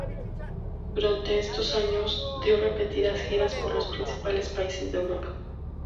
Durante estos años, dio repetidas giras por los principales países de Europa.